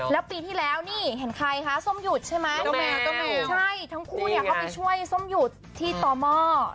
และปีที่แล้วนี่เห็นใครคะส้มหยุดใช่ไหมทั้งคู่เขาไปช่วยส้มหยุดที่ต่อเมาะ